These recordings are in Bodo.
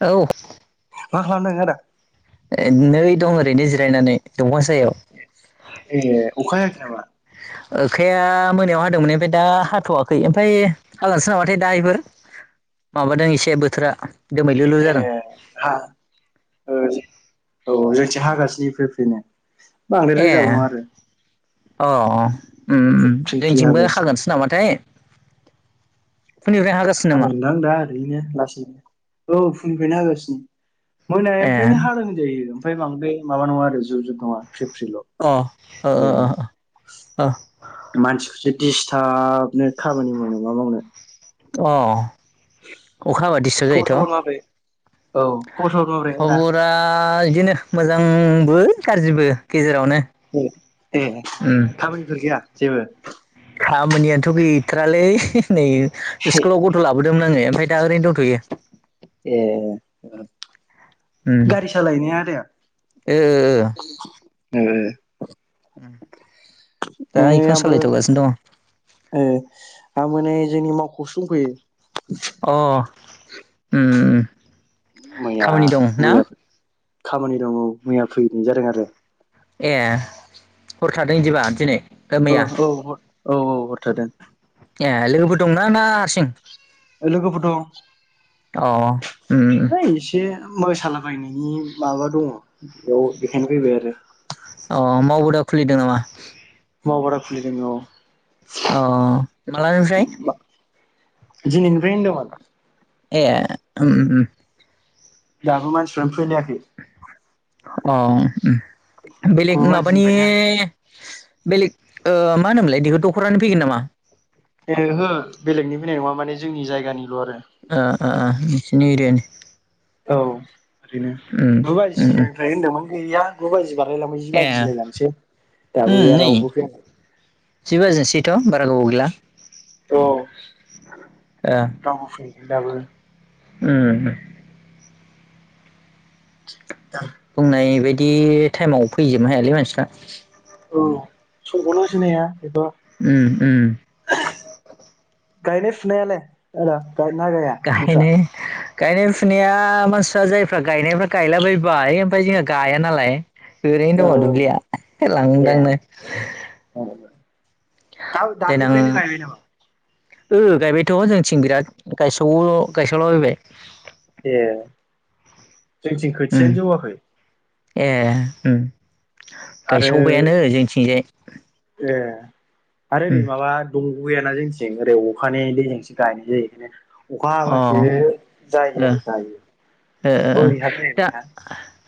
औ मा खालामदों आदा? ओ नै दं ओरैनो जिरायनानै दंफां सायाव ए अखा हायाखै नामा? आखाया मोनायाव हादोंमोन ओमफ्राय दा हाथ'वाखै ओमफाय हागोनसो नाबाथाय दायोफोर माबादों एसे बोथोरा दोमैलुलु ए जादों हा ओ औ जोंथि हागासिनो फ्रि फ्रिनो बांद्राय ए रोजाबो नङा आरो अ उम उम फ्रि फ्रि जोंथिंबो हागासिनो हागोनसो नामाथाय फुंनिफ्राय हागासि हागोनदां दा ओरैनो लासैनो औ फुंनिफ्रायनो हागासिनो ए मोनानायनिफ्रायनो हादों होनजायो ओमफ्राय माबा बे माबा नङा आरो जुब जुब नङा फ्रिफ्रिल' अ ओ ओ ओ अ मानसिखौसो दिस्थाबनो खामानि मावनाय मा मावनाय अ अखा हाबा दिस्टाब खबर जायोथ' सबर माब्रै औ सबर माब्रै खबर आदा फोरा इदिनो मोजांबो गाज्रिबो गेजेरावनो। ए ए उम खामानिफोर गैया जेबो खामानियाथ' गैथ्रालै नै ए स्कुलाव ग थ' लाबोदोंमोन आङो ओमफाय दा ओरैनो दथ'यो। ए उम गारि सालाय हैनाय आरो ओ ओ उम नै आंबो दङ ओ आंबो नै जोंनि मावख'वावसो दंफैयो। अ उम उम मैया खामानि दं ना? मैया खामानि दं ओ मैया फैनाय जादों आरो। ए हर थादों इदिबा दिनै। ओ मैया औ औ औ औ हर थादों ए लोगोफोर दंना ना हारसिं? ओ लोगोफोर दं अ उम ओइ एसे मोसालाबायनायनि माबा दङ बेयाव बेखायनो फैबाय आरो। अ मावबोदा खुलिदों नामा? मावबारा खुलिदों औ अ मालानिफ्राय? मा दिनिनिफ्राय होदोंमोन। ए उम उम उम दाबो मानसिफ्रानो फैलायाखै। अ उम गु बेलेग माबानि बाजिनिफ्रायनो बेलेग ओ मा होनोमोनलाय इदिखो दख'रानि फैगोन नामा? ओहो बेलेगनि फैनाय नङा माने जोंनि जायगानिल' आरो। ओ ओ ओ नोंसोरनि एरियानि औ ओरैनो उम गु उम उम बाजिनिफ्राय होनदोंमोन गैया। गु बाजि बारलायलांबाय जि ए बाजिलायलांसै दाबो उम गैया नै रावबो फैयाखै। जि बाजिनैसैथ' बारा गोबाव गैला। औ। ओं दङ फै दाबो। ओम [unintelligible] बुंनाय बायदि टाइमाव फैजोबनो हायालै मानसिफ्रा। औ समखौनो होसोनो हाया एबा उम उम गायनाय फुनायालाय आदा? गायोना गाया नोंस्रा? गाहायनाय गायनाय फुनाया मानसिफ्रा जायफ्रा गायनायफ्रा गायलाबायबाय ओमफ्राय जोंहा गाया नालाय औ ओरैनो दङ दुब्लिया लांदांनो। औ जागोन। देनां ओह गायबायथ' जोंथिं बिराद गायसावो गायस'लाबायबाय। ए जोंनिथिं उम खोथियानो जौवाखै। ए ओम। आरो गायसावबायानो जोंथिंजाय‌ ओम। दंगबो गैयाना जोंथिं ओरै अखानि दैजोंसो गायनाय जायो ओंखायनो अखा अ हाबासो ओ जायो ओ आरो जायो ओ ओ बोरि हा जायिबाय दा ना।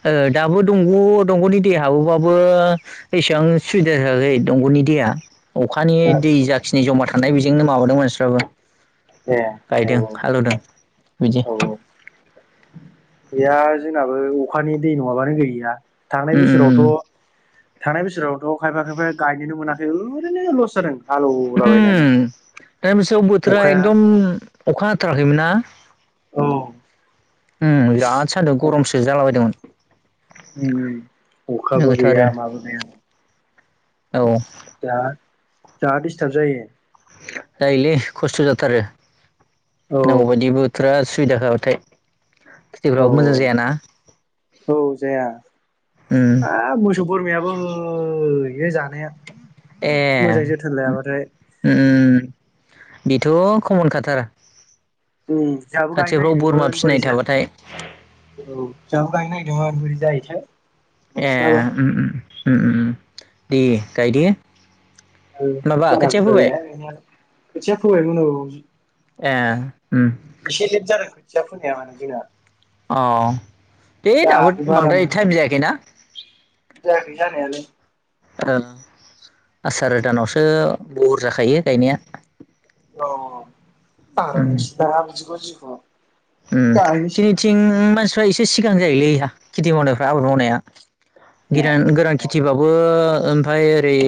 ओ दाबो दंग' दंग'नि दै हाबोबाबो एसेबां सुबिदा [unintelligible] दंग'नि दैेया। अखानि दै जाखिनि जमा थानाय बेजोंनो माबादों मानसिफ्राबो ए औ गायदों हालेवदों बिदि। औ औ गैया जोंनाबो अखानि दै नङाबानो गैया थांनाय उम बोसोरावथ' थांनाय बोसोरावथ' खायफा-खायफा गायनोनो मोनाखै ओरैनो लस जादों। ओम हालौलाबायनानै दा बायसायाव बोथोरा अखाया एकदम अखा हाथाराखै मोनना? औ। ओम बिराद सान्दुं गरमसो जालाबायदोंमोन। उम उम अखाबो नोगोरथ' आरो गैया माबो गैया। औ। जाह जा दिडिस्टार्ब जायो। जायोलै खस्थ' जाथारो औ नांगौबायदिबो थोरा सुबिदा होयाबाथाय औ खितिफ्राबो मोजां औ जायाना? औ जाया। उम हाब मोसौ बोरमायाबो होयो जानाया। ए मोजां जोथोन लायाबाथाय ओ ओ ओम बेथ' कमन खाथार। उम जोंहाबो गायनो खाथिफ्राव बोरमा नागिरदोंमोन फिसिनाय बोरै जा थाबाथाय औ जाहाबो गायनो नायदोंमोन बोरै जायोथाइ। ए ओम ओम ओम ओम दे गायदे। ओम बारा बुरजा गाइया गायनाइयालाय खोथिया फोबायमोन औ ए ओम। एसे लेट जादों खोथिया फोनाया माने जोंना। अ दे दाबो बारा बांद्राय मोजां टाइम जायाखैना? जायाखै जानायालाय। ओं आसार दानावसो बहर जाखायो गायनाया। औ औ उम आं मिथिलाइ लाङा बिदिखौ जिखुनु। जोंनिथिं एसे मानसिफ्रा सिगां जायोलै खेथि मावनायफ्रा आबाद ए मावनाया गोरान औ खेथिबाबो ओमफाय ओरै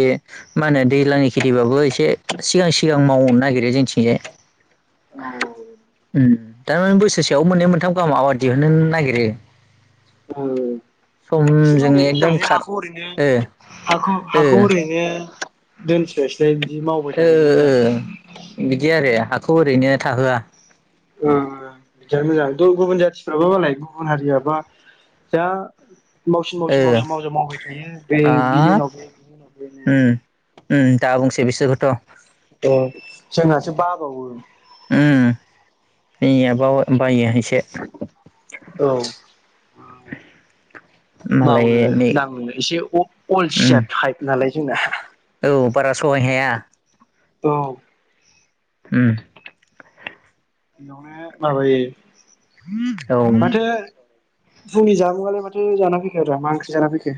मा होनो दैज्लांनि खेथिबाबो एसे सिगां सिगां मावनो नागिरो जोंनिथिंजाय औ ओम दा बोसोरसेयाव मोननै मोनथाम गाहाम आबाद दिहुननो नागिरो औ एसे समजों मावनायानो एकदम मोजांलै खार हाखौ ओरैनो ओ हाखौ ओ हाखौ ओरैनो दोनस्लायसाय बिदि मावबाय ओ थानायानो मोजां ओ बिदि आरो हाखौ ओरैनो थाहोआ बिदियानो मोजां गुबुन जाथिफ्राबो मालाय गुबुन हारियाबा जा मावसिन मावसिन ओ मावजा मावबाय थायो बे बिनि उनाव बे बिनि उनाव बेनो ओं दा बुंसै बिसोरखौथ' अ जोंहासो बाबावो उम जोंनियाबा बायो एसे औ औ मावनो दांनो एसे उम अलसिया टाइप नालाय जोंना औ बारा सहाय हाया औ ओम बेयावनो माबायो औ माथो फुंनि जामुङालाय माथो जानानै फैखो आरो मा ओंख्रि जाना फैखो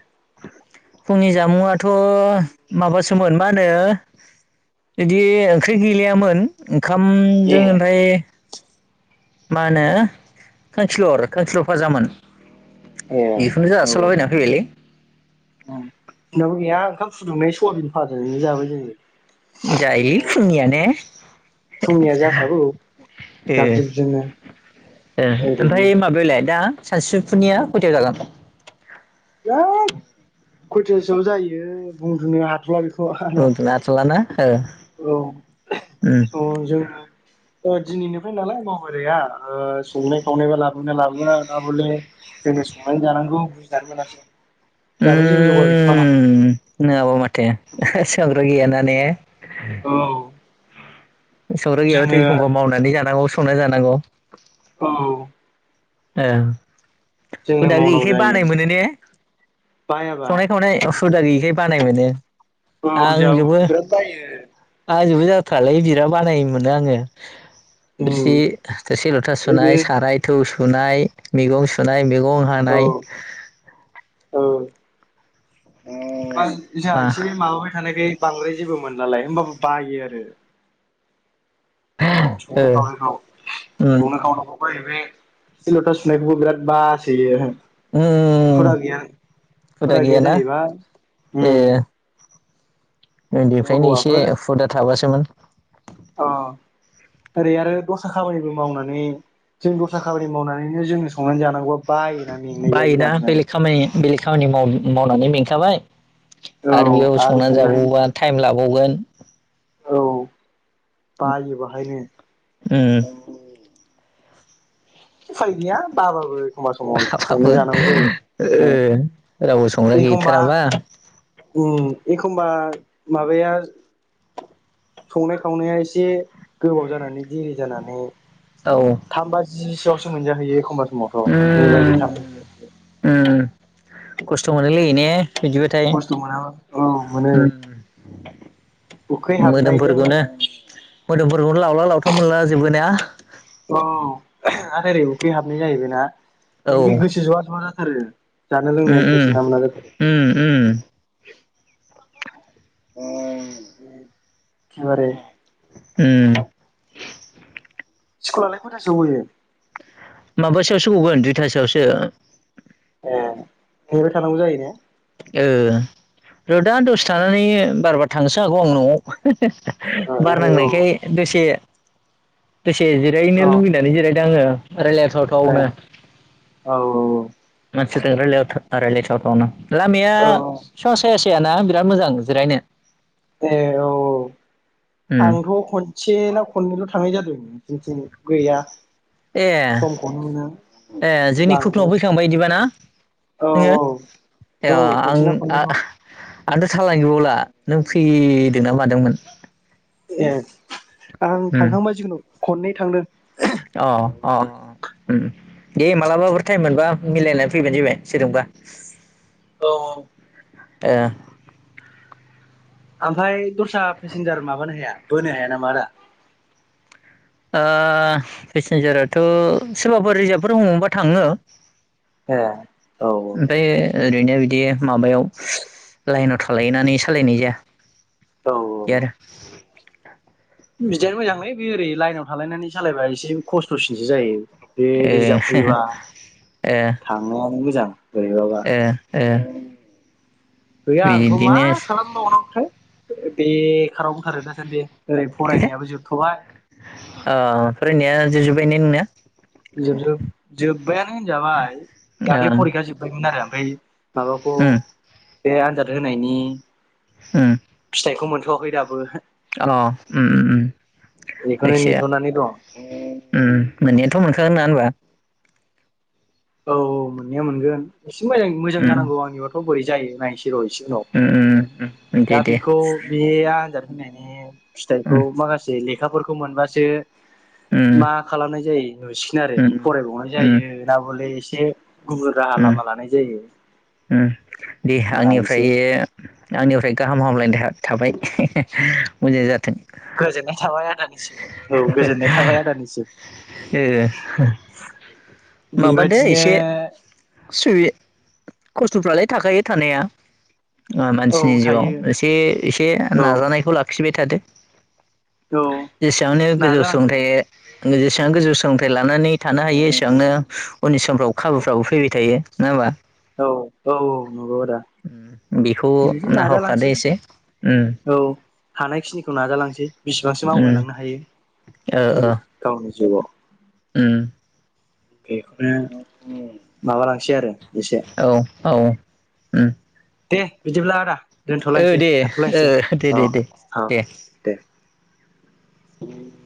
फुंनि जामुंआथ' माबासोमोन मा होनो इदि ओंख्रि गैलायामोन ए ओंखामजों ओमफ्राय मा होनो खांखिलर खांखिलर फाजामोन ए बेखौनो औ जासाबलाना फैबायलै जोंनाबो गैया ओंखाम फुदुंनाय सयाबिन फाजादोनो जाबाय जोङो जायोलै फुंनि जानाया फुंनिया जाखागौ जाब जुबजोंनो ए ओमफ्राय माबालाय दा सानसुफुनिया खयथायाव जागोन बिराद खयथासोआव जायो बुंथनो हाथ'ला बेखौ औ‌ उन्दुनो हाथ'लाना ओ उम जजोंनो दिनैनिफ्राय नालाय बावबारिया संनाय खावनायबो नाबले जोंनो संनानै जानांगौ बुजिनानै मोनासै दाबो जेबो जगार गैथ'वा नालाय उम नङाबा माथो संग्रा गैयाना ने औ संग्रा गैयाबाथ' जोङो एखमबा मावनानै जानांगौ संना जानांगौ औ जोंनो हुदा मावनांगौ गैयैखाय जायो बानाय मोनो ने बायाबा संनाय खावनाय हुदा गैयैखाय बानाय मोनो औ आं जोंहा जोंबो बिराद बायो आंजोंबो जाथारालै बिराद बानाय मोनो आङो थोरसि उम थोरसि लथा सुनाय ओरै साराय थौ सुनाय मैगं सुनाय मैगं औ हानाय औ आं जोंहा बा एसे माबाबाय थानायखाय बांद्राय जेबो मोनलालाय होमबाबो बायो आरो ओ उम [unintelligible] थोरसि लथा सुनायखौबो बिराद बासोयो‌। हुदा उम गैया हुदा गैया जाहैबाय ओम ए उन्दैफ्रायनो एसे हौवाफोर हुदा थाबासोमोन। अ ओरै आरो दस्रा खामानिबो मावनानै जों दस्रा खामानि मावनानैनो जोंनो संनानै जानांगौआ बायोना मेंनाय जों बायोना जाबजों। बेलेग खामानि बेलेग खामानि माव मावनानै मेंखाबाय औ आरो बेयाव संनानै जाबावा टाइम लाबावगोन औ बायो बेहायनो। उम। उफाय गैया बाबो एखमबा समाव संनानै बाबाबो जानांगौ जायो ओ ओम। रावबो संग्रा गैथाराबा उम एखमबा माबाया संनाय खावनाया एसे गोबाव जानानै देरिरि जानानै औ उम थाम बाजि जिसेआवसो मोनजाहैयो एखमबब्ला समावथ' नै बाजि थाम बाजियावसो। उम। खस्थ मोनोलै ने बिदिबथाय खस्थ' मोना औ मोनो उम‌। उखै हाबनायजों मोदोमफोरखौनो मोदोमफोरखौनो लावला लावथाम मोनला जोबबो ना? ओ आरो ओरै उखै हाबनाय जाहैबायना औ इखि उम गोसो जवा जवा जाथारो। जानो लोंनाय इन्टारेट उम मोना मोना जाथा उम उम। ओरै उम। स्कुलाय खयथासोखव गयो? माबासोयावसो गगोन दुइथासोआवसो। ए नेबाय थानांगौ जायो ने? ओ र'दआ दसे थानानै बारा बा थांनोसो हागौ आं न'आव ओ बारनांनायखाय दसे दसे ओहो औ जिरायनो लुबैनानै जिरायदों आङो। ए रायलायथावथावनो औ मानसिफोरजों रायलायथाव' राय्लायथावथावनो। लामाया औ स साया सायाना बिराद मोजां जिरायनो। ए औ औ उम आंथ' खनसे ना खननैल' थांनाय जादों। बिथिं गैया। ए समखौनो मोना ए जोंनि बांद्राय खुथुयाव फैखांबाय बिदिबाना? औ औ नोङो औ ए खनसे ना खननैल' आं आंथ' थालानो गैबावला नों फैदोंना मादोंमोन। ए आं उम थांखांबाय जिखुनु खननै थांदों। अ अ अ। उम दे मालाबाफोर टाइम मोनबा मिलायनानै फैबानो जाबाय सोरजोंबा औ औ। ओ ओमफ्राय दस्रा पेसेन्जार माबानो हाया बोनो हाया नामा आदा? ओ पेसेन्जाराथ' सोरबाफोर रिजार्भफोर हमोबा थाङो। ए औ ओफाय ओरैनो बिदि माबायाव लाइनाव थालायनानै सालायनाय जाया। औ औ बिदि बिदियानो मोजांलै बे ओरै लाइनाव थाललायनानै सालायबा एसे खस्थ'सिनसो जायो। बे रिजार्भ फैयोबा आरो थांनायानो मोजां बोरहैबाबा। ए गैया आंथ' मा खालामबावनांगौथाय बेखाराव दं थारो दासान्दि ओरै फरायनायाबो जोबथ'बाय ओ फरायनाया जोबजोबबाय ने नोंना? जोबजोब जोब्बायानो होनजाबाय ओ दाख्लै फरिखाया जोबबायमोन आरो ओमफ्राय माबाखौ उम बे आनजाद होनायनि हम फिथाइखौ मोनथ'वाखै दाबो। अ उम उम बेखौनो जायखि जाया नेथ'नानै दं उम मोननायाथ' मोनखागोन नड़ा होनबा? औ औ मोननाया मोनगोन एसे मोजां मोजां उम जानांगौ आंनियावथ' बोरै जायो नायनोसै र' इसे उनाव। उम उम उम दे दा दे बेखौ बे आनजाद होनायनि उम फिथाइखौ माखासे लेखाफोरखौ मोनबासो उम मा खालामनाय जायो नुसै नुसिगोन आरो उम फरायबावनाय उम जायो ना बले एसे गुबुन राहा उम लामा लानाय जायो। उम दे नायनोसै आंनिफ्रायो बे आंनिफ्राय गाहाम हामलायनाय था-थाबाय मोजां जाथों। गोजोननाय थाबाय औ गोजोननाय थाबाय आदानिसिम ओ बेबायदिनो सुइ खस्थ'फ्रालाय थाखायो थानाया। औ मानसिनि थायो जिउआव एसे एसे औ नाजानायखौ लाखिबाय थादो। औ जेसेयावनो गोजौ नाजालांसै सुंथायो। जेसेबां गोजौ सोलोंथाइ लानानै थानो हायो एसेबांनो उननि समफ्राव खाबुफ्राबो फैबाय थायो। नंङा होमबा? औ औ औ नंगौ आदा। बेखौ बिदिनो नाजालांसै नाहरखादो एसे उम। औ हानायखिनिखौ नाजालांसै बिसिबांसो आवगायलांनो हायो जि गावनि जिउआव उम। बेखौनो माबालांसै आरो एसे औ औ दे बिदिब्ला आदा ओ दोन्थ'लायसै दे थाथ'लायनोसै ओ दे औ दे दे औ। दे उम।